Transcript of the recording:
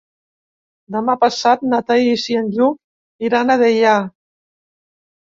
Demà passat na Thaís i en Lluc iran a Deià.